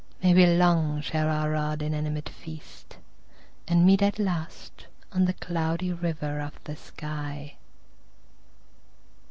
May we long share our odd, inanimate feast, And meet at last on the Cloudy River of the sky.